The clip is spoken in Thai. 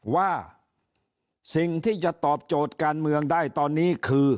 ว่าสิ่งที่จะตอบโจทย์การเมืองได้ตอนนี้คือ